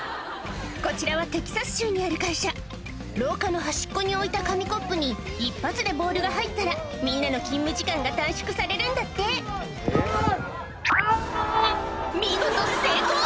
こちらはテキサス州にある会社廊下の端っこに置いた紙コップに一発でボールが入ったらみんなの勤務時間が短縮されるんだって見事成功！